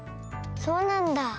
そうなんだ。